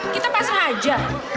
kita pasang aja